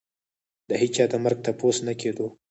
د هېچا د مرګ تپوس نه کېدو.